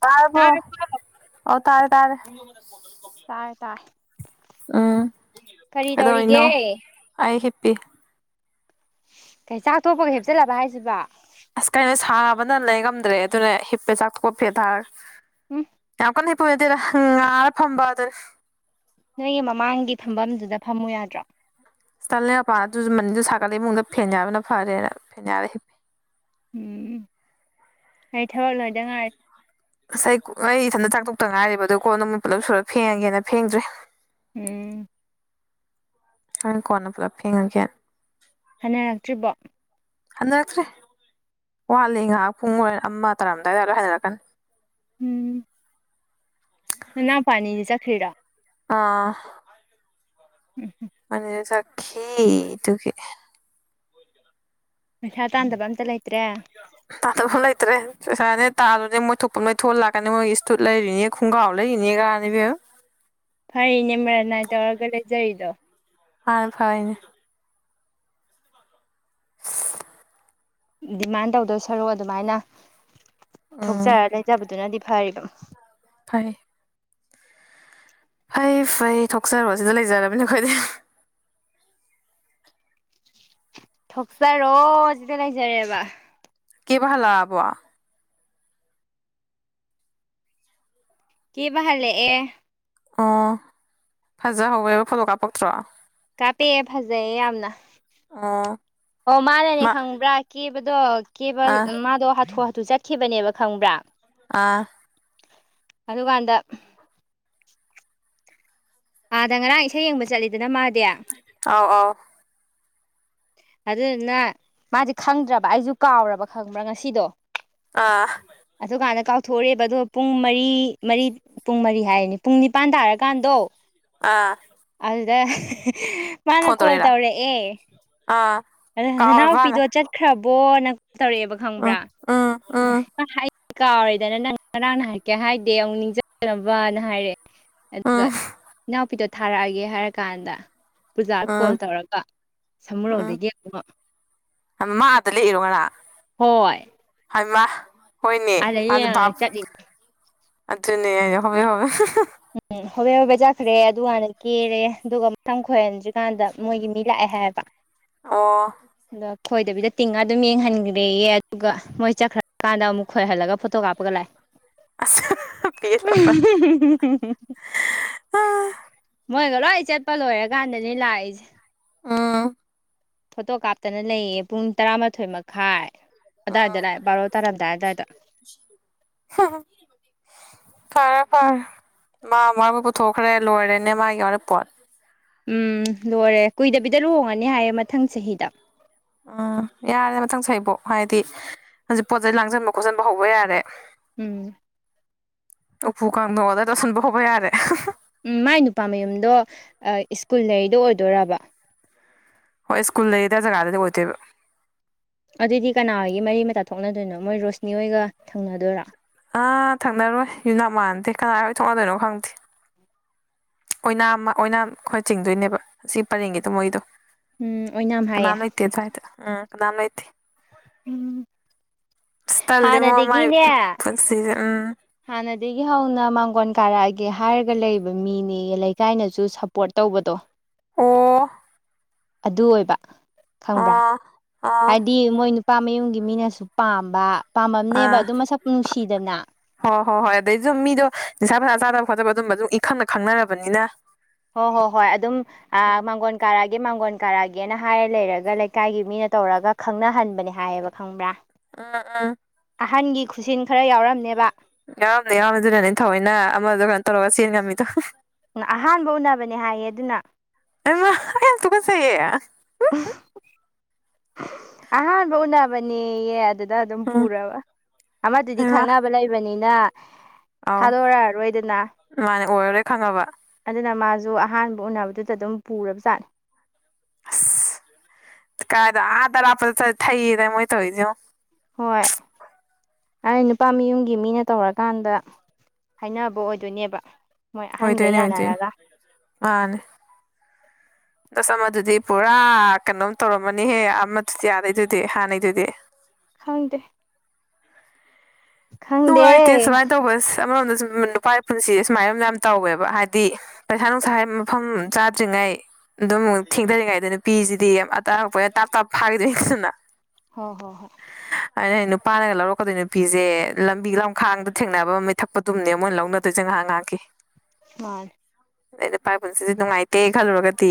ꯇꯥꯔꯕꯣ ꯇꯥꯔꯕ ꯑꯣ ꯇꯥꯔꯦ ꯇꯥꯔꯦ ꯇꯥꯔꯦ ꯇꯥꯏ ꯎꯝ ꯀꯔꯤ ꯇꯧꯔꯤꯒꯦ ꯄꯤ ꯀꯩ ꯆꯥꯛ ꯇꯣꯛꯄꯒ ꯍꯤꯞꯆꯜꯂꯕ ꯍꯥꯏꯁꯤꯕꯣ ꯕꯅ ꯂꯩ ꯉꯝꯗ꯭ꯔꯦ ꯑꯗꯨꯅ ꯍꯤꯞꯄꯦ ꯆꯥꯛꯊꯣꯛꯑ ꯐꯦꯟ ꯊꯔꯥ ꯎꯝ ꯌꯥꯝ ꯀꯟꯅ ꯍꯣꯢ ꯑꯗꯨꯅ ꯉꯔꯥ ꯐꯝꯕꯗꯨꯅꯦ ꯅꯣꯏꯒꯤ ꯃꯃꯥꯡꯒꯤ ꯐꯝꯕꯝꯗꯨꯗ ꯐꯝꯃꯨ ꯌꯥꯗ꯭ꯔꯣ ꯑꯁ ꯇꯜꯂꯦ ꯃꯄꯥꯟ ꯑꯗꯨꯁꯨ ꯃꯅꯤꯟꯗꯨ ꯁꯥꯒꯠꯂꯦ ꯏꯃꯨꯡꯗ ꯐꯦꯟ ꯌꯥꯕꯅ ꯐꯔꯦꯅ ꯐꯦꯟ ꯌꯥꯔ ꯍꯤꯞꯄꯤ ꯎꯝ ꯑꯩ ꯊꯕꯛ ꯂꯣꯏꯗ ꯉꯥꯏ ꯑꯁ ꯑꯩ ꯀꯨ ꯑꯩ ꯏꯊꯟꯗ ꯆꯥꯛ ꯇꯣꯛꯇ ꯉꯥꯏꯔꯤꯕ ꯑꯗꯣ ꯀꯣꯟꯗꯨ ꯃꯣꯢ ꯄꯨꯂꯞ ꯁꯨꯔꯒ ꯐꯦꯡꯉꯒꯦꯅ ꯐꯦꯡꯗ꯭ꯔꯤ ꯎꯝ ꯍꯣꯔꯦꯟ ꯀꯣꯟꯅ ꯄꯨꯂꯞ ꯐꯦꯡꯉꯒꯦꯟ ꯍꯟꯅꯔꯛꯇ꯭ꯔꯤꯕꯣ ꯍꯟꯅꯔꯛꯇ꯭ꯔꯤ ꯋꯥꯠꯂꯤ ꯉꯍꯥꯛ ꯄꯨꯡ ꯑꯃ ꯇꯥꯔꯝꯗꯥꯏ ꯍꯜꯂꯛꯀꯅꯤ ꯎꯝ ꯅꯅꯥꯎꯄ ꯑꯅꯤ ꯆꯠꯈ꯭ꯔꯤꯔꯣ ꯑꯥ [unintelligible] ꯃꯅꯤꯗ ꯆꯠꯈꯤ ꯑꯗꯨꯒꯤ ꯄꯩꯁꯥ ꯇꯥꯟꯗꯕ ꯑꯝꯇ ꯂꯩ ꯇꯥ ꯇꯧꯕ ꯂꯩꯇ꯭ꯔꯦ ꯄꯩꯁꯥꯅꯦ ꯇꯥꯜꯂꯨꯅꯦ ꯃꯣꯏ ꯊꯣꯛꯄ ꯑꯃ ꯂꯩꯊꯣꯛꯑꯒ ꯂꯥꯛꯀꯅꯤ ꯃꯣꯏꯒꯤ ꯁ꯭ꯇꯨꯠ ꯂꯩꯔꯤꯅꯦ ꯈꯣꯡꯒ꯭ꯔꯥꯎ ꯂꯩꯔꯤꯅꯦ ꯒꯅ ꯏꯕꯦꯝꯃ ꯐꯩꯅꯦ ꯃꯔꯟꯅꯥꯏ ꯇꯧꯔꯒ ꯂꯩꯖꯔꯤꯗꯣ ꯍꯥꯟ ꯐꯔꯤꯅꯦ ꯗꯤꯃꯥꯟ ꯇꯧꯗꯧ ꯁꯔꯨꯛ ꯑꯗꯨꯃꯥꯏꯅ ꯎꯝ ꯊꯣꯛꯆꯔ ꯂꯩꯖꯕꯗꯨꯅꯗꯤ ꯐꯔꯤꯗꯣ ꯐꯔꯦ ꯐꯩ ꯐꯩ ꯊꯣꯛꯆꯔꯣ ꯁꯤꯗ ꯂꯩꯖꯔꯕꯅꯦ ꯑꯩꯈꯣꯏꯗꯤ ꯊꯣꯛꯆꯔꯣ ꯁꯤꯗ ꯂꯩꯖꯔꯦꯕ ꯀꯦꯕ ꯍꯜꯂꯛꯑꯕꯣ ꯀꯦꯕ ꯍꯜꯂꯛꯑꯦ ꯑꯣ ꯐꯖꯍꯧꯋꯦꯕ ꯐꯣꯇꯣ ꯀꯥꯞꯄꯛꯇ꯭ꯔꯣ ꯀꯥꯞꯄꯛꯑꯦ ꯐꯖꯩꯌꯦ ꯌꯥꯝꯅ ꯑꯣ ꯑꯣ ꯃꯥꯅꯅꯦ ꯃꯥ ꯈꯪꯕ꯭ꯔꯥ ꯀꯦꯕꯗꯣ ꯀꯦꯕ ꯑꯥ ꯃꯥꯗꯣ ꯍꯥꯊꯨ ꯍꯥ ꯇꯨ ꯆꯠꯈꯤꯕꯅꯦꯕ ꯈꯪꯕ꯭ꯔꯥ ꯑꯥ ꯑꯗꯨꯀꯥꯟꯗ ꯑꯥꯗ ꯉꯔꯥꯡ ꯏꯁꯩ ꯌꯦꯡꯕ ꯆꯠꯂꯤꯗꯅ ꯃꯥ ꯑꯥꯎ ꯑꯥꯎ ꯑꯗꯨꯗꯨꯅ ꯃꯥꯗꯤ ꯈꯪꯗ꯭ꯔꯕ ꯑꯩꯁꯨ ꯀꯥꯎꯔꯕ ꯈꯪꯕ꯭ꯔꯥ ꯉꯁꯤꯗꯣ ꯑꯥ ꯊꯣꯔꯛꯑꯦꯕ ꯑꯗꯣ ꯄꯨꯡ ꯃꯔꯤ ꯃꯔꯤ ꯄꯨꯡ ꯃꯔꯤ ꯍꯥꯏꯔꯦꯅꯦ ꯄꯨꯡ ꯅꯤꯄꯥꯟ ꯇꯥꯔꯀꯥꯟꯗꯣ ꯑꯥ ꯑꯗꯨꯗ ꯃꯥꯅ ꯐꯣꯟ ꯀꯣꯜ ꯇꯧꯔꯛꯏꯔꯥ ꯇꯧꯔꯛꯑꯦ ꯑꯥ ꯑꯗ ꯀꯥꯎꯔꯕ ꯍꯥꯏꯅ ꯅꯅꯥꯎꯄꯤꯗꯣ ꯆꯠꯈ꯭ꯔꯕꯣꯅ ꯇꯧꯔꯛꯑꯦꯕ ꯈꯪꯕ꯭ꯔꯥ ꯎꯝ ꯎꯝ ꯎꯝ ꯀꯥꯎꯔꯦꯗꯅ ꯅꯪ ꯉꯔꯥꯡ ꯅ ꯍꯥꯏꯔꯛꯀꯦ ꯍꯥꯏꯗꯦ ꯑꯃꯨꯛ ꯅꯤꯡꯁꯤꯡꯅꯕꯅ ꯍꯥꯏꯔꯦ ꯑꯗꯨꯒ ꯎꯝ ꯏꯅꯥꯎꯄꯤꯗꯣ ꯊꯥꯔꯛꯑꯒꯦ ꯍꯥꯏꯔ ꯀꯥꯟꯗ ꯄꯨꯖꯥ ꯀꯣꯜ ꯇꯧꯔꯒ ꯎꯝ ꯁꯃꯨꯔꯧꯗꯒꯤ ꯑꯃꯨꯛ ꯃꯥ ꯑꯗ ꯂꯦꯛꯏꯔꯣꯉꯔꯥꯡ ꯍꯣꯏ ꯍꯥꯏꯃꯥ ꯍꯣꯏꯅꯦ ꯑꯥꯗ ꯃꯥꯁꯨ ꯌꯦꯡꯉ ꯚꯥꯞ ꯆꯠꯂꯤꯅꯦ ꯑꯗꯨꯅꯦ ꯑꯩ ꯍꯣꯕꯦ ꯍꯣꯕꯦ ꯍꯥꯍꯥꯍꯥ ꯍꯣꯕꯦ ꯍꯣꯕꯦ ꯆꯠꯈ꯭ꯔꯦ ꯑꯗꯨꯀꯥꯟꯅ ꯀꯦꯔꯦ ꯑꯗꯨꯒ ꯁꯝ ꯈꯣꯏꯍꯟꯗ꯭ꯔꯤꯀꯥꯟꯗ ꯃꯣꯏꯒꯤ ꯃꯤ ꯂꯥꯛꯑꯦ ꯍꯥꯏꯌꯦꯕ ꯑꯣ ꯑꯗ ꯈꯣꯏꯗꯕꯤꯗ ꯇꯤꯡꯉꯒ ꯑꯗꯨꯝ ꯌꯦꯡꯍꯟꯈ꯭ꯔꯦꯌꯦ ꯑꯗꯨꯒ ꯃꯣꯏ ꯆꯠꯈ꯭ꯔꯀꯥꯟꯗ ꯑꯃꯨꯛ ꯈꯣꯏꯍꯜꯂꯒ ꯐꯣꯇꯣ ꯀꯥꯞꯄꯒ ꯂꯥꯛꯑꯦ ꯑꯁ ꯄꯦꯂꯕꯅꯤ ꯃꯣꯏꯒ ꯂꯣꯏ ꯆꯠꯄ ꯂꯣꯏꯔꯀꯥꯟꯗꯅꯤ ꯑꯩꯅ ꯂꯥꯛꯏꯁꯦ ꯎꯝ ꯐꯣꯇꯣ ꯀꯥꯞꯇꯅ ꯂꯩꯌꯦ ꯄꯨꯡ ꯇꯔꯥꯃꯥꯊꯣꯏ ꯃꯈꯥꯏ ꯑꯗꯨꯋꯥꯏꯗ ꯂꯥꯛꯑꯦ ꯕꯥꯔꯣ ꯇꯥꯔꯝꯗꯥꯏ ꯑꯗꯋꯥꯏꯗ ꯐꯔꯦ ꯐꯔꯦ ꯃꯥ ꯃꯕꯨ ꯄꯨꯊꯣꯛꯈ꯭ꯔꯦ ꯂꯣꯏꯔꯦꯅꯦ ꯃꯥꯒꯤ ꯋꯥꯔꯣꯏꯄꯣꯠ ꯎꯝ ꯂꯣꯏꯔꯦ ꯀꯨꯏꯗꯕꯤꯗ ꯂꯨꯍꯣꯡꯉꯅꯤ ꯍꯥꯏꯌꯦꯦ ꯃꯊꯪ ꯆꯍꯤꯗ ꯎꯝ ꯌꯥꯔꯦ ꯃꯊꯪ ꯆꯍꯤ ꯐꯣꯛ ꯍꯥꯏꯗꯤ ꯍꯧꯖꯤꯛ ꯄꯣꯠ ꯆꯩꯩ ꯂꯥꯡꯁꯟꯕ ꯈꯣꯠꯆꯟꯕ ꯍꯧꯕ ꯌꯥꯔꯦ ꯎꯝ ꯎꯄꯨ ꯀꯥꯡꯗꯣꯡ ꯑꯣꯗꯔ ꯇꯧꯁꯤꯟꯕ ꯍꯣꯕ ꯌꯥꯔꯦ ꯎꯝ ꯃꯥꯏ ꯅꯨꯄꯥ ꯃꯌꯨꯝꯗꯣ ꯁ꯭ꯀꯨꯜ ꯂꯩꯔꯤꯗꯣ ꯑꯣꯏꯗꯣꯏꯔꯕ ꯍꯣꯏ ꯁ꯭ꯀꯨꯜ ꯂꯩꯔꯤꯗꯣ ꯑꯗꯨꯋꯥꯏ ꯖꯒꯥꯗ ꯑꯣꯏꯗꯣꯏꯕ ꯑꯗꯨꯗꯤ ꯀꯅꯥꯒꯤ ꯃꯔꯤ ꯃꯇꯥ ꯊꯣꯛꯅꯗꯣꯏꯅꯣ ꯃꯣꯏ ꯔꯣꯁꯅꯤ ꯍꯣꯏꯒ ꯊꯪꯅꯗꯣꯏꯔꯥ ꯑꯥ ꯊꯛꯅꯔꯣꯏ ꯌꯨꯝꯅꯥꯒ ꯃꯥꯟꯅꯗꯦ ꯀꯅꯥꯒ ꯊꯣꯛꯅꯗꯣꯏꯅꯣ ꯈꯪꯗꯦ ꯑꯣꯏꯅꯥꯝ ꯑꯣꯏꯅꯥꯝ ꯈꯔ ꯆꯤꯡꯗꯣꯏꯅꯦꯕ ꯁꯤ ꯄꯔꯦꯡꯒꯤꯗꯣ ꯃꯣꯏꯗꯣ ꯎꯝ ꯑꯣꯏꯅꯥꯝ ꯍꯥꯏꯌꯦ ꯀꯅꯥꯝ ꯂꯩꯇꯦ ꯑꯗꯨꯋꯥꯗ ꯎꯝ ꯀꯅꯥꯝ ꯂꯩꯇꯦ ꯎꯝ ꯑꯁ ꯇꯜꯂꯤꯉꯣ ꯃꯥꯏ ꯍꯥꯟꯅꯗꯒꯤꯅꯦ ꯄꯨꯟꯁꯤꯁꯦ ꯎꯝ ꯍꯥꯅ ꯁꯤꯗꯒꯤ ꯍꯧꯅ ꯃꯥꯡꯒꯣꯟ ꯀꯥꯔꯛꯑꯒꯦ ꯍꯥꯏꯔꯒ ꯂꯩꯕ ꯃꯤꯅꯦꯌꯦ ꯂꯩꯀꯥꯏꯅꯁꯨ ꯁꯞꯄꯣꯔꯠ ꯇꯧꯕꯗꯣ ꯑꯣ ꯑꯗꯨ ꯑꯣꯏꯕ ꯈꯪꯕ꯭ꯔꯥ ꯑꯥ ꯑꯥ ꯍꯥꯏꯗꯤ ꯃꯣꯏ ꯅꯨ ꯄꯥ ꯃꯌꯨꯝꯒꯤ ꯃꯤꯅꯁꯨ ꯄꯥꯝꯕ ꯄꯥꯝꯃꯝꯅꯦꯕ ꯑꯥ ꯑꯗꯨꯝ ꯃꯁꯛ ꯅꯨꯡꯁꯤꯗꯅ ꯍꯣꯏ ꯍꯣꯏ ꯍꯣꯏ ꯑꯗꯩ ꯁꯨꯝ ꯃꯤꯗꯣ ꯅꯤꯁꯥ ꯄꯁꯥ ꯆꯥꯗꯕ ꯈꯣꯠꯕ ꯑꯗꯨꯝꯕ ꯑꯗꯨꯝ ꯏꯈꯪꯅ ꯈꯪꯅꯔꯕꯅꯤꯅ ꯍꯣ ꯍꯣ ꯍꯣꯏ ꯑꯗꯨꯝ ꯑꯥ ꯃꯥꯡꯒꯣꯟ ꯀꯥꯔꯛꯑꯒꯦ ꯃꯥꯡꯒꯣꯟ ꯀꯔꯑꯒꯦꯅ ꯍꯥꯏꯔ ꯂꯩꯔꯒ ꯂꯩꯀꯥꯏꯒꯤ ꯃꯤꯅ ꯇꯧꯔꯒ ꯈꯪꯅꯍꯟꯕꯅꯦ ꯍꯥꯏꯌꯦꯕ ꯈꯪꯕ꯭ꯔꯥ ꯑꯥ ꯑꯥ ꯑꯍꯟꯒꯤ ꯈꯨꯁꯤꯟ ꯈꯔ ꯌꯥꯎꯔꯝꯅꯦꯕ ꯌꯥꯎꯔꯝꯅꯤ ꯌꯥꯎꯔꯝ ꯑꯗꯨꯅꯅꯦ ꯊꯑꯣꯏꯅ ꯑꯃꯗꯣ ꯀꯩꯅꯣ ꯇꯧꯔꯒ ꯆꯦꯟ ꯉꯝꯃꯤꯗꯣ ꯎ ꯑꯍꯥꯟꯕ ꯎꯅꯕꯅꯦ ꯍꯥꯏꯌꯦ ꯑꯗꯨꯅ ꯆꯩꯌꯦ ꯑꯍꯥꯟꯕ ꯎꯅꯕꯅꯦꯌꯦ ꯑꯗꯨ ꯗ ꯑꯗꯨꯝ ꯎꯝ ꯄꯨꯔꯕ ꯑꯃꯗꯨꯗꯤ ꯍꯩꯃꯥ ꯈꯪꯅꯕ ꯂꯩꯕꯅꯤꯅ ꯑꯧ ꯊꯥꯗꯣꯔꯛꯑꯔꯣꯏꯗꯅ ꯃꯥꯅꯦ ꯑꯣꯏꯔꯔꯣꯏ ꯈꯪꯉꯕ ꯑꯁ ꯑꯗꯨꯅ ꯃꯥ ꯁꯨ ꯑꯍꯥꯟꯕ ꯎꯅꯕꯗꯨꯗ ꯑꯗꯨꯝ ꯄꯨꯔꯕ ꯖꯥꯠꯅꯤ ꯀꯥꯏꯗ ꯑꯥ ꯑꯔꯥꯞꯄꯗ ꯆꯠ ꯊꯩꯌꯦꯅ ꯃꯣꯢ ꯇꯧꯔꯤꯁꯦ ꯌꯦꯡꯉꯨ ꯍꯣꯏ ꯑꯩ ꯅꯨꯄꯥ ꯃꯌꯨꯝꯒꯤ ꯃꯤꯅ ꯇꯧꯔꯀꯥꯟꯗ ꯍꯥꯏꯅꯕ ꯑꯣꯏꯗꯣꯏꯅꯦꯕ ꯃꯣꯏ ꯑꯍꯟꯒꯩ ꯑꯣꯏꯗꯣꯏꯅꯦ ꯑꯣꯏꯗꯣꯏꯅꯦ ꯌꯥꯅꯔꯒ ꯃꯥꯅꯦ ꯑꯁ ꯑꯃꯗꯨꯗꯤ ꯄꯨꯔꯥ ꯀꯩꯅꯣꯝ ꯇꯧꯔꯝꯃꯅꯤꯍꯦ ꯑꯃꯗꯨꯗꯤ ꯑꯥꯗꯩꯗꯨꯗꯤ ꯍꯥꯟꯅꯩꯗꯨꯗꯤ ꯈꯪꯗꯦ ꯈꯪꯗꯦ ꯅꯨꯡꯉꯥꯢꯇꯦ ꯁꯨꯃꯥꯏ ꯇꯧꯕꯁꯦ ꯑꯃꯔꯣꯝꯗꯁꯨ ꯅꯨꯄꯥꯢ ꯄꯨꯟꯁꯤꯁꯦ ꯁꯨꯃꯥꯏꯅ ꯗꯨꯝ ꯌꯥꯝ ꯇꯧꯋꯦꯕ ꯍꯥꯏꯗꯤ ꯍ ꯄꯩꯁꯥ ꯅꯨꯡꯁꯥꯢ ꯌ ꯃꯐꯝ ꯆꯥꯗ꯭꯭ꯔꯤꯉꯩꯗ ꯉꯩ ꯑꯗꯨꯝ ꯊꯦꯡꯊꯔꯤꯉꯥꯏꯗ ꯅꯨꯄꯤꯁꯤꯗꯤ ꯌꯥꯝ ꯑꯇꯔꯛꯄ ꯑꯣꯏꯅ ꯇꯥꯞ ꯇꯥꯞ ꯐꯥꯈꯤꯗꯣꯏꯅꯤꯗꯅ ꯍꯣ ꯍꯣ ꯍꯣꯢ ꯑꯩꯅ ꯅꯨꯄꯥꯅꯒ ꯂꯧꯔꯛꯀꯗꯣꯏ ꯅꯨꯄꯤꯖꯦ ꯂꯝꯕꯤ ꯂꯝꯈꯥꯡꯗ ꯊꯦꯡꯅꯕ ꯃꯤꯠ ꯊꯛꯄꯗꯨꯝꯅꯦ ꯃꯣꯏꯅ ꯂꯧꯅꯗꯣꯏꯁꯦ ꯉꯥꯍꯥꯛ ꯉꯥꯍꯥꯛꯀꯤ ꯃꯥꯅꯦ ꯑꯗꯩꯩꯗ ꯅꯨꯄꯥꯏ ꯄꯨꯟꯁꯤꯖꯦ ꯅꯨꯡꯉꯥꯏꯇꯦ ꯈꯜꯂꯨꯔꯒꯗꯤ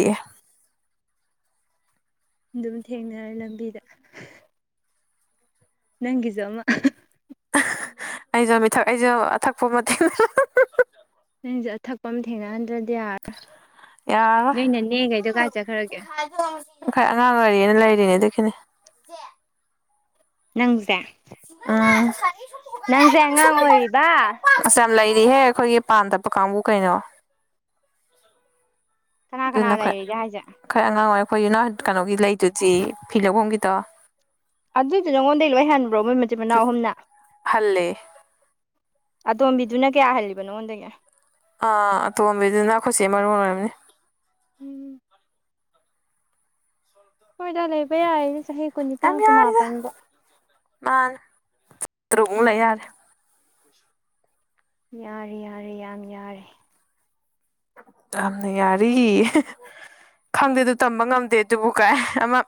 ꯑꯗꯨꯝ ꯊꯦꯡꯅꯔꯦ ꯂꯝꯕꯤꯗ ꯅꯪꯒꯤꯖꯨ ꯑꯃ ꯑꯍ ꯑꯍ ꯑꯩꯁꯨ ꯃꯤꯊꯛ ꯑꯩꯁꯨ ꯑꯊꯛꯄ ꯑꯃ ꯊꯦꯡꯅ ꯑꯍꯍꯍ ꯅꯪꯁꯨ ꯑꯊꯛꯄ ꯑꯃ ꯊꯦꯡꯅꯍꯟꯗ꯭ꯔꯗꯤ ꯌꯥꯔꯔꯣꯢ ꯌꯥꯔꯔꯣꯏ ꯅꯣꯏ ꯅꯅꯦ ꯈꯩꯗꯣ ꯀꯥꯢ ꯆꯠꯈ꯭ꯔꯒꯦ ꯑꯈꯣꯢ ꯑꯉꯥꯡ ꯑꯣꯏꯔꯤꯌꯦꯅ ꯂꯩꯔꯤꯅꯦ ꯑꯗꯨꯒꯤꯅꯤ ꯆꯦ ꯅꯪꯁꯦ ꯅꯪꯁꯦ ꯑꯉꯥꯡ ꯑꯣꯏꯔꯤꯕ ꯑꯁ ꯂꯩꯔꯤꯍꯦ ꯑꯩꯈꯣꯏꯒꯤ ꯄꯥꯟ ꯇꯞꯄ ꯀꯥꯡꯕꯨ ꯀꯩꯅꯣ ꯀꯅꯥ ꯑꯗꯨꯅ ꯀꯅꯥ ꯈꯣꯏ ꯂꯩꯔꯤꯒꯦ ꯍꯥꯏꯁꯦ ꯈꯔ ꯑꯉꯥꯡ ꯑꯣꯏꯔꯤ ꯑꯩꯈꯣꯏ ꯌꯨꯅ ꯍꯣꯢ ꯀꯩꯅꯣꯒꯤ ꯂꯩꯗꯨꯗꯤ ꯐꯤ ꯂꯧꯐꯝꯒꯤꯗꯣ ꯑꯗꯨꯏꯗꯨ ꯅꯉꯣꯟꯗꯒꯤ ꯂꯣꯏ ꯍꯟꯕ꯭ꯔꯣ ꯃꯣꯏ ꯃꯆꯤꯟ ꯃꯅꯥꯎ ꯑꯍꯨꯝꯅ ꯍꯜꯂꯦ ꯑꯇꯣꯝꯕꯤꯗꯨꯅ ꯀꯌꯥ ꯍꯜꯂꯤꯕ ꯅꯉꯣꯟꯗꯒꯤ ꯑꯥ ꯑꯇꯣꯝꯕꯤꯗꯨꯅ ꯈꯣꯏ ꯆꯦ ꯃꯔꯨꯞ ꯑꯣꯏꯔꯝꯅꯤ ꯎꯝ ꯍꯣꯢꯗꯥ ꯂꯩꯕ ꯌꯥꯔꯤꯗ ꯆꯍꯤ ꯀꯨꯟꯅꯤꯄꯥꯟ ꯌꯥꯝ ꯌꯥꯔꯤꯗ ꯀꯨꯟꯃꯥꯄꯟꯕꯧ ꯃꯥꯅ ꯇꯔꯨꯛꯃꯨꯛ ꯂꯩ ꯌꯥꯔꯤ ꯌꯥꯔꯦ ꯌꯥꯔꯤ ꯌꯥꯔꯤ ꯌꯥꯝ ꯌꯥꯔꯤ ꯌꯥꯝꯅ ꯌꯥꯔꯤ ꯑꯍꯦ ꯈꯪꯗꯦꯗ ꯇꯝꯕ ꯉꯝꯗꯦ ꯑꯗꯨꯕꯨ ꯀꯥꯏ ꯑꯃ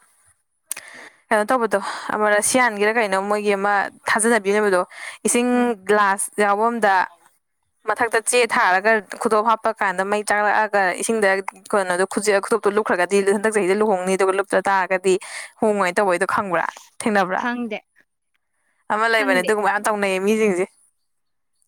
ꯀꯩꯅꯣ ꯇꯧꯕꯗꯣ ꯑꯃ ꯔꯁꯁꯤꯌꯥꯟꯒꯤꯔꯥ ꯀꯩꯅꯣ ꯃꯣꯏꯒꯤ ꯑꯃ ꯊꯥꯖꯅꯕꯤ ꯂꯩꯕꯗꯣ ꯏꯁꯤꯡ ꯎꯝ ꯒ꯭ꯂꯥꯁ ꯌꯥꯎꯐꯝꯗ ꯃꯊꯛꯇ ꯆꯦ ꯊꯥꯔꯒ ꯈꯨꯇꯣꯞ ꯍꯥꯞꯄ ꯀꯥꯟꯗ ꯃꯩ ꯆꯥꯛꯂꯛꯑꯒ ꯏꯁꯤꯡꯗ ꯀꯩꯅꯣꯗꯣ ꯈꯨꯖꯦ ꯈꯨꯗꯣꯞꯇꯣ ꯂꯨꯞꯈ꯭ꯔꯒꯗꯤ ꯍꯟꯗꯛ ꯆꯍꯤꯗ ꯂꯨꯍꯣꯡꯅꯤ ꯑꯗꯨꯒ ꯂꯨꯞꯇ ꯇꯥꯔꯒꯗꯤ ꯍꯣꯡꯉꯣꯏꯅ ꯇꯧꯕꯩꯗꯣ ꯈꯪꯕ꯭ꯔꯥ ꯊꯦꯡꯅꯕ꯭ꯔꯥ ꯈꯪꯗꯦ ꯑꯃ ꯂꯩꯕꯅꯦ ꯈꯪꯗꯦ ꯑꯗꯨꯒꯨꯝꯕ ꯌꯥꯝ ꯇꯧꯅꯩꯌꯦ ꯃꯤꯁꯤꯡꯁꯦ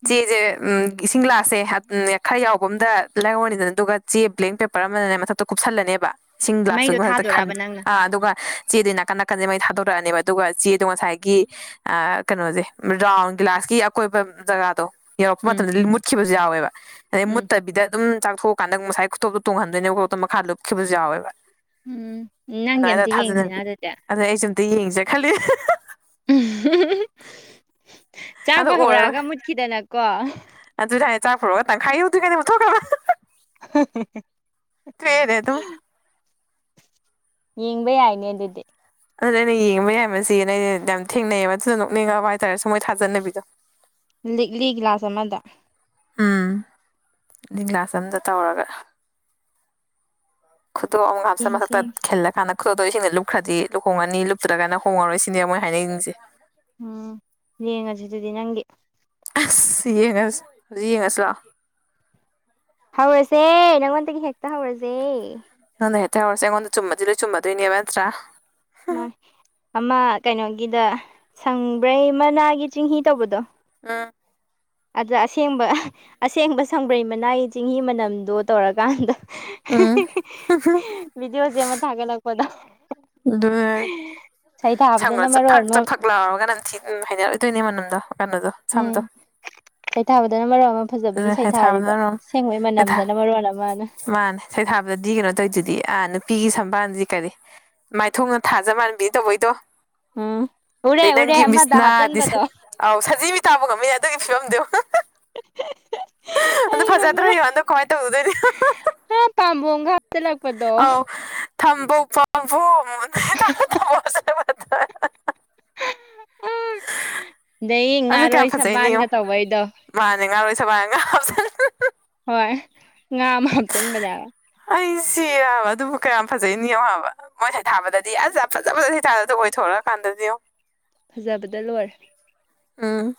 ꯎꯝ ꯆꯦꯁꯦ ꯎꯝ ꯏꯁꯤꯡ ꯒ꯭ꯂꯥꯁꯁꯦ ꯍꯥꯞ ꯈꯔ ꯌꯥꯎꯕ ꯑꯃꯗ ꯂꯧꯔꯥꯅꯤꯗꯅ ꯑꯗꯨꯒ ꯆꯦ ꯕ꯭ꯂꯦꯡ ꯄꯦꯄꯔ ꯑꯃꯗꯅꯦ ꯃꯊꯛꯇ ꯀꯨꯞꯁꯜꯂꯅꯦꯕ ꯏꯉꯁꯤꯡ ꯃꯩꯗꯣ ꯒ꯭ꯂꯥꯁꯇꯨꯃ ꯍꯥꯇ ꯈꯟ ꯊꯥꯗꯣꯔꯕ ꯅꯪꯅ ꯑ ꯑꯗꯨꯒ ꯆꯦꯗꯤ ꯅꯥꯀꯟ ꯅꯥꯀꯟꯁꯦ ꯃꯩ ꯊꯥꯗꯣꯛꯈ꯭ꯔꯅꯦꯕ ꯑꯗꯨꯒ ꯆꯦꯗꯣ ꯉꯁꯥꯏꯒꯤ ꯑ ꯀꯩꯅꯣꯁꯦ ꯔꯥꯎꯟ ꯒꯤ꯭ꯂꯥꯁ ꯀꯤ ꯑꯀꯣꯏꯕ ꯖꯒꯥꯗꯣ ꯌꯧꯔꯛꯄ ꯎꯝ ꯃꯇꯝꯗꯗꯤ ꯃꯨꯠꯈꯤꯕꯁꯨ ꯌꯥꯎꯋꯦꯕ ꯑꯗꯩ ꯎꯝ ꯃꯨꯠꯇꯕꯤꯗ ꯑꯗꯨꯝ ꯆꯥꯛꯊꯣꯛꯑꯀꯥꯟꯗ ꯉꯁꯥꯏ ꯈꯨꯊꯣꯛꯇ ꯇꯣꯡꯍꯟꯗꯣꯏꯅꯦꯕ ꯈꯨꯊꯣꯛꯇ ꯃꯈꯥꯗ ꯂꯨꯞꯈꯤꯕꯁꯨ ꯌꯥꯎꯋꯦꯕ ꯎꯝ ꯅꯪꯒꯤ ꯑꯗꯥꯏꯅ ꯑꯝꯇ ꯌꯦꯡꯁꯤꯅ ꯊꯥꯖꯅꯕꯤ ꯑꯗꯨꯗꯤ ꯑꯗꯨꯅ ꯑꯩꯁꯨ ꯑꯝꯇ ꯌꯦꯡꯁꯤꯔꯥ ꯈꯜꯂꯤꯅꯦ ꯑꯝ ꯍ ꯍ ꯑꯗꯣ ꯆꯥꯛꯄ ꯑꯣꯏꯔꯔꯣꯏ ꯍꯧꯔꯛꯑꯒ ꯃꯨꯠꯈꯤꯗꯅꯀꯣ ꯆꯥꯛꯄꯥ ꯍꯧꯔꯛ ꯑꯒꯥ ꯇ꯭ꯪꯈꯥꯏ ꯇꯧꯗꯔꯤꯉꯩꯗ ꯃꯨꯊꯣꯛꯈꯔꯥꯕꯥ [unintelligible] ꯇꯣꯛ ꯑꯦꯅꯦ ꯑꯗꯨꯝ ꯌꯦꯡꯕ ꯌꯥꯏꯅꯦ ꯑꯗꯨꯗꯤ ꯑꯗꯨꯅ ꯑꯩꯅ ꯌꯦꯡꯕ ꯌꯥꯏ ꯝꯁꯤꯅ ꯑꯩꯅ ꯌꯥꯝ ꯊꯦꯡꯅꯩꯌꯦꯕ ꯑꯗꯨꯅ ꯅꯣꯛꯅꯤꯡꯉꯛꯑꯥꯕ ꯍꯥꯏꯇꯥꯔꯦ ꯁꯨꯝ ꯃꯣꯏ ꯊꯥꯖꯅꯕꯤꯗꯣ ꯂꯤꯛꯂꯤ ꯒ꯭ꯂꯥꯁ ꯑꯃꯗ ꯎꯝ ꯂꯤ ꯀ꯭ꯂꯥꯁ ꯑꯝꯗ ꯇꯧꯔꯒ ꯈꯨꯗꯣꯄ ꯑꯝꯒ ꯍꯄꯆꯥꯟꯂꯒ ꯌꯦꯡꯁꯤ ꯃꯊꯛꯇ ꯌꯦꯡꯁꯤ ꯊꯈꯤꯜꯂ ꯀꯥꯟꯗ ꯈꯨꯗꯣꯞꯇꯣ ꯏꯁꯤꯡꯗꯥ ꯂꯨꯞꯈ꯭ꯔꯗꯤ ꯂꯨꯍꯣꯡꯉꯅꯤ ꯂꯨꯞꯇ꯭ꯔꯒꯅ ꯍꯣꯡꯉꯔꯣꯏ ꯁꯤꯅꯦꯕ ꯃꯣꯏ ꯍꯥꯏꯅꯩꯁꯤꯡꯁꯦ ꯎꯝ ꯌꯦꯡꯉꯁꯤ ꯑꯗꯨꯗꯤ ꯅꯪꯒꯤ ꯁꯦꯁ ꯍꯧꯖꯤꯛ ꯌꯦꯡꯉꯥꯁꯤ ꯂꯥꯛ ꯑꯣ ꯍꯧꯔꯁꯦ ꯅꯪꯉꯣꯟꯗꯒꯤ ꯍꯦꯛꯇ ꯍꯧꯔꯁꯦ ꯉꯣꯟꯗꯩꯩ ꯍꯦꯛꯇꯥ ꯍꯧꯔ꯭ꯁꯦ ꯑꯩꯉꯣꯟꯗ ꯆꯨꯝꯃꯗꯤ ꯂꯣꯏ ꯆꯨꯝꯃꯗꯣꯏꯅꯦꯕ ꯅꯠꯇꯔꯥ ꯃꯥ ꯑꯃ ꯀꯩꯅꯣꯒꯤꯗ ꯁꯪꯕ꯭ꯔꯩ ꯃꯅꯥꯒꯤ ꯆꯤꯡꯍꯤ ꯇꯧꯕꯗꯣ ꯑꯥ ꯑꯗꯨꯗ ꯑꯁꯦꯡꯕ ꯑꯁꯦꯡꯕ ꯁꯪꯕ꯭ꯔꯩ ꯃꯅꯥꯏ ꯆꯤꯡꯍꯤ ꯃꯅꯝꯗꯣ ꯇꯧꯔꯀꯥꯟꯗ ꯎꯝ ꯚꯕꯤꯗꯤꯑꯣ ꯁꯦꯝꯃꯥ ꯊꯥꯒꯠꯂꯛꯄꯗꯣ ꯑꯗꯨ ꯁꯩꯊꯥꯕꯗꯅ ꯁꯝꯒꯗꯣ ꯃꯔꯣꯟ ꯆꯥꯐꯛ ꯑꯃ ꯆꯥꯐꯛ ꯂꯥꯎꯔꯒ ꯅꯝꯊꯤ ꯎꯃ ꯍꯩꯅꯔꯣꯏꯗꯣꯏꯅꯦ ꯃꯅꯝꯗꯣ ꯀꯩꯅꯣꯗꯣ ꯁꯝꯗꯣ ꯎꯝ ꯁꯩꯊꯥꯕꯗꯅ ꯃꯔꯣꯟ ꯑꯃ ꯐꯖꯕꯒꯤ ꯍꯦꯛ ꯁꯩꯊꯥꯔꯤꯕ ꯊꯥꯕꯅꯔꯣꯝ ꯑꯁꯦꯡꯕꯩ ꯍꯦꯛ ꯊꯥ ꯃꯅꯝꯗꯅ ꯃꯔꯣꯟ ꯑꯃꯅ ꯃꯥꯅꯦ ꯁꯩꯊꯥꯕꯗꯗꯤ ꯀꯩꯅꯣ ꯇꯧꯋꯤꯗꯨꯗꯤ ꯑꯥ ꯅꯨꯄꯤꯒꯤ ꯁꯝꯕꯥꯜꯗꯤ ꯀꯔꯤ ꯃꯥꯏꯊꯣꯡꯅ ꯊꯥꯖ ꯃꯥꯟꯕꯤ ꯇꯧꯕ ꯗꯣ ꯎꯝ ꯎꯔꯦ ꯎꯔꯦ ꯅꯪꯒꯤ ꯑꯃꯗ ꯃꯤꯁꯅꯥꯗꯤ ꯍꯥꯞꯆꯟꯕꯗꯣ ꯑꯥꯎ ꯁꯖꯤ ꯃꯤꯠꯇꯕꯨ ꯉꯝꯃꯤꯅꯦ ꯑꯗꯨꯒꯤ ꯐꯤꯕꯝꯗꯣ ꯌꯦꯡꯉꯣ ꯑꯗꯣ ꯑꯩ ꯐꯖꯗ꯭ꯔꯥ ꯉꯝꯃꯔꯣꯏ ꯌꯦꯡꯉꯣ ꯑꯗꯣ ꯀꯃꯥꯏꯅ ꯇꯧꯔꯨꯗꯣꯏꯅꯣ ꯌꯦꯡꯉꯣ ꯑꯥ ꯄꯥꯝꯕꯣꯝꯒ ꯍꯥꯞꯆꯜꯂꯛꯄꯗꯣ ꯑꯥꯎ ꯊꯝꯕꯧ ꯄꯥꯝꯕꯣꯝ [unintelligible] [unintelligible] ꯑꯥ ꯑꯗꯩ ꯑꯗꯨ ꯀꯌꯥꯝ ꯉꯥꯔꯣꯏ ꯐꯖꯩꯅꯣ ꯁꯕꯥꯟꯒ ꯌꯦꯡꯉꯣ ꯇꯧꯕꯩꯗꯣ ꯃꯥꯅꯦ ꯉꯥꯔꯥꯡꯔꯣꯏꯁꯟꯂꯣ ꯍꯥꯏꯕꯅꯦ ꯍꯧꯆꯟ ꯍꯣꯏ ꯉꯥ ꯑꯃ ꯍꯥꯞꯆꯟꯕꯅꯦꯕ ꯑꯩ ꯁꯤꯔꯦ ꯍꯥꯏꯕꯥ ꯑꯗꯨꯕꯨ ꯀꯌꯥꯝ ꯐꯖꯩꯅꯣ ꯌꯦꯡꯉꯣ ꯍꯥꯏꯕ ꯃꯣꯏ ꯁꯩꯊꯥꯕꯗꯗꯤ ꯑꯁ ꯐꯖ ꯐꯖꯅ ꯁꯩꯊꯥꯗꯔ ꯑꯣꯏꯊꯣꯔꯛ ꯀꯟꯗꯥꯗꯤ ꯌꯦꯉꯣ ꯐꯖꯕꯗ ꯂꯣꯏꯔꯦ ꯎꯝ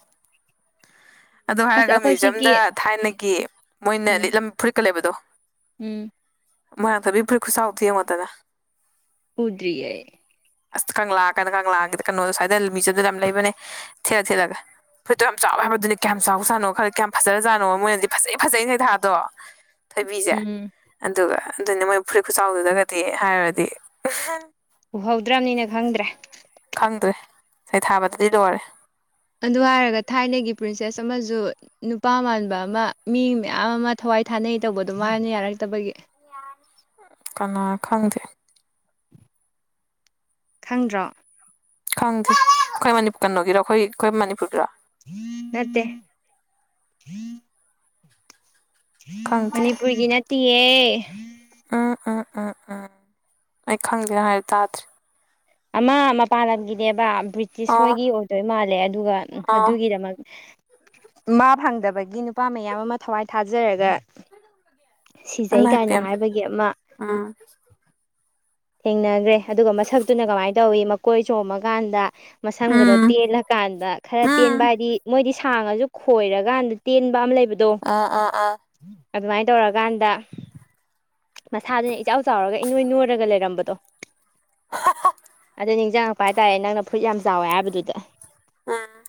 ꯑꯗꯨ ꯑꯁ ꯍꯥꯏꯔꯒ ꯑꯩꯈꯣꯏ ꯁꯤꯒꯤ ꯃ꯭ꯌꯨꯖꯌꯝꯗ ꯊꯥꯏꯅꯒꯤ ꯃꯣꯏꯅ ꯎꯝ ꯂꯤꯠꯂꯝ ꯐꯨꯔꯤꯠꯀ ꯂꯩꯕꯗꯣ ꯎꯝ ꯃꯣꯏꯔꯥꯡ ꯊꯣꯏꯕꯤ ꯐꯨꯔꯤꯠ ꯈꯨꯆꯥꯎ ꯗꯣ ꯌꯦꯡꯉꯣꯗꯅ ꯎꯗꯔꯤ ꯑꯩ ꯑꯁ ꯀꯪꯂꯥ ꯀꯪꯂꯥ ꯀꯩꯅꯣꯗ ꯁ꯭ꯋꯥꯏꯗ ꯃꯤꯖꯝꯗ ꯌꯥꯝ ꯂꯩꯕꯅꯦ ꯊꯦꯠꯂꯥ ꯊꯦꯠꯂꯒ ꯐꯣꯏꯠꯇꯣ ꯌꯥꯝ ꯆꯥꯎꯋꯦ ꯍꯥꯏꯕꯗꯨꯅꯦ ꯀꯌꯥꯝ ꯆꯥꯎ ꯆꯥꯅꯣ ꯈꯔ ꯀꯌꯥꯝ ꯐꯖꯔꯖꯥꯅꯣ ꯃꯣꯏꯅꯗꯤ ꯐꯖꯩ ꯐꯖꯩ ꯅ ꯊꯥꯗꯣ ꯊꯣꯏꯕꯤꯁꯦ ꯎꯝ ꯑꯗꯨꯒ ꯑꯗꯨꯅꯤ ꯃꯣꯏ ꯐꯨꯔꯤꯠ ꯈꯨꯆꯥꯎꯗꯨꯗꯒꯗꯤ ꯍꯥꯏꯔꯗꯤ ꯎꯍꯧꯗ꯭ꯔꯕꯅꯤꯅ ꯈꯪꯗ꯭ꯔꯦ ꯐꯪꯗ꯭ꯔꯦ ꯁꯩꯊꯥꯕꯗꯗꯤ ꯂꯣꯏꯔꯦ ꯑꯗꯨ ꯍꯥꯏꯔꯒ ꯊꯥꯏꯅꯒꯤ ꯄ꯭ꯔꯤꯟꯁꯦꯁ ꯑꯃꯁꯨ ꯅꯨꯄꯥ ꯃꯥꯟꯕ ꯑꯃ ꯃꯤ ꯃꯌꯥꯝ ꯑꯃ ꯊꯋꯥꯏ ꯊꯋꯥꯏ ꯊꯥꯅꯩ ꯇꯧꯕ ꯑꯗꯨꯃꯥꯏꯅ ꯌꯥꯔꯛꯇꯕꯒꯤ ꯀꯅꯥ ꯈꯪꯗꯦ ꯈꯪꯗ꯭ꯔꯣ ꯈꯪꯗꯦ ꯑꯩꯈꯣꯏ ꯀꯩꯅꯣꯒꯤꯔꯣ ꯑꯩꯈꯣꯏ ꯑꯩꯈꯣꯏ ꯃꯅꯤꯄꯨꯔꯒꯤꯔꯣ ꯅꯠꯇꯦ ꯈꯪꯗꯦ ꯃꯅꯤꯄꯨꯔꯒꯤ ꯅꯠꯇꯦꯍ ꯎꯝ ꯎꯝ ꯎꯝ ꯎꯝ ꯑꯩ ꯈꯪꯗꯦ ꯅꯪ ꯍꯥꯏꯔ ꯇꯥꯗꯦ ꯑꯃ ꯃꯄꯥꯟ ꯂꯝꯒꯤꯅꯦꯕ ꯕ꯭ꯔꯤꯇꯤꯁ ꯑꯣ ꯍꯣꯏꯒꯤ ꯑꯣꯏꯗꯣꯏ ꯃꯥꯜꯂꯦ ꯑꯗꯨꯒ ꯑꯣ ꯑꯗꯨꯒꯤꯗꯃꯛ ꯃꯥ ꯐꯪꯗꯕꯒꯤ ꯅꯨꯄꯥ ꯃꯌꯥꯝ ꯑꯃ ꯊꯋꯥꯏ ꯊꯥꯖꯔꯒ ꯑꯦꯝ ꯁꯤꯖꯩ ꯑꯥꯏ ꯄꯤ ꯀꯥꯏꯅ ꯑꯦꯝ ꯍꯥꯏꯕꯒꯤ ꯑꯃ ꯎꯝ ꯊꯦꯡꯅꯈ꯭ꯔꯦ ꯑꯗꯨꯒ ꯃꯁꯛꯇꯨꯅ ꯀꯃꯥꯏꯅ ꯇꯧꯋꯤ ꯃꯀꯣꯏ ꯆꯣꯡꯃꯀꯥꯟꯗ ꯃꯁꯝꯒꯗꯣ ꯎꯝ ꯇꯦꯜꯂꯀꯥꯟꯗ ꯈꯔ ꯎꯝ ꯇꯦꯟꯕ ꯍꯥꯏꯗꯤ ꯃꯣꯏꯗꯤ ꯁꯥꯡ ꯑꯁꯨ ꯈꯣꯏꯔꯀꯥꯟꯗ ꯇꯦꯟꯕ ꯑꯃ ꯂꯩꯕ ꯑꯥ ꯑꯥ ꯑꯥ ꯑꯗꯨꯃꯥꯏꯅ ꯇꯧꯔꯀꯥꯟꯗ ꯃꯁꯥꯗꯨꯅ ꯏꯆꯥꯎ ꯆꯥꯎꯔꯒ ꯏꯅꯣꯏ ꯅꯣꯏꯔꯒ ꯂꯩ ꯂꯩꯔꯝꯕꯗꯣ ꯑꯗ ꯅꯤꯡꯖꯥꯡꯉꯛꯄ ꯍꯥꯏꯇꯥꯔꯦ ꯅꯪꯅ ꯐꯨꯠ ꯌꯥꯝ ꯆꯥꯎꯋꯦ ꯍꯥꯏꯕꯗꯨꯗ ꯑꯥ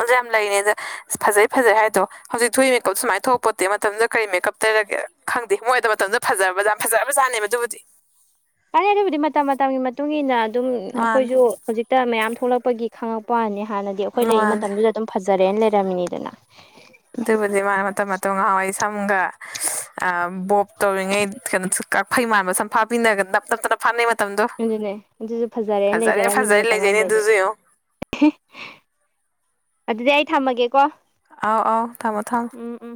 ꯑꯗꯨ ꯌꯥꯝ ꯂꯩꯔꯤꯅꯤ ꯑꯗ ꯐꯖꯩ ꯐꯖꯩ ꯍꯥꯏꯗꯣ ꯍꯧꯖꯤꯛ ꯊꯨꯏ ꯃꯦꯀꯞ ꯁꯨꯃꯥꯏꯅ ꯊꯣꯛꯧꯛꯄꯣꯠꯇꯦ ꯃꯇꯝꯗꯨꯗ ꯀꯔꯤ ꯃꯦꯀꯞ ꯇꯩꯔꯒꯦ ꯈꯪꯗꯦ ꯃꯣꯏꯗ ꯃꯇꯝꯗ ꯐꯖ ꯐꯖꯕꯖꯥꯠꯅꯦꯕ ꯑꯗꯨꯕꯨꯗꯤ ꯐꯔꯦ ꯑꯗꯨꯕꯨꯗꯤ ꯃꯇꯝ ꯃꯇꯝꯒꯤ ꯃꯇꯨꯡ ꯏ ꯃꯇꯨꯡꯏꯟꯅ ꯑꯗꯨꯝ ꯃꯥꯅꯦ ꯑꯩꯈꯣꯏꯁꯨ ꯍꯧꯖꯤꯛꯇ ꯃꯌꯥꯝ ꯊꯣꯛꯂꯛꯄꯒꯤ ꯈꯉꯛꯄ ꯋꯥꯅꯤ ꯍꯥꯟꯅꯗꯤ ꯑꯩꯈꯣꯏ ꯂꯩꯔꯤ ꯃꯥꯅꯦ ꯃꯇꯝꯗꯨꯗ ꯑꯗꯨꯝ ꯐꯖꯔꯦꯅ ꯂꯩꯔꯝꯃꯤꯅꯤꯗꯅ ꯑꯗꯨꯕꯨꯗꯤ ꯃꯥꯅ ꯃꯇꯝ ꯃꯇꯝ ꯉꯍꯥꯎꯏ ꯁꯝꯒ ꯑ ꯕꯣꯞ ꯇꯧꯔꯤꯉꯩ ꯀꯩꯅꯣ ꯀꯛꯐꯩ ꯃꯥꯟꯕ ꯁꯝꯐꯥ ꯄꯤꯔꯒ ꯅꯞ ꯇꯞ ꯇꯅ ꯐꯥꯅꯩ ꯃꯇꯝꯗꯣ ꯑꯗꯨꯅꯦ ꯑꯗꯨꯁꯨ ꯐꯖꯔꯦꯅ ꯐꯖꯔꯦ ꯂꯩꯖꯔꯛꯑꯃꯤꯅꯤ ꯐꯖꯔꯦ ꯃꯇꯝ ꯂꯩꯖꯩꯅꯦ ꯑꯃꯗꯗꯤ ꯑꯗꯨꯁꯨ ꯌꯦꯡꯉꯣ ꯑꯗꯨꯗꯤ ꯑꯩ ꯊꯝꯃꯒꯦꯀꯣ ꯑꯥꯎ ꯑꯑꯣ ꯊꯥꯃ ꯊꯥꯡ ꯎꯝ ꯎꯝ